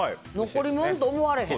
残りもんと思われへん。